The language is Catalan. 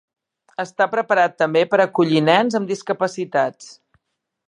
Està preparat també per a acollir nens amb discapacitats.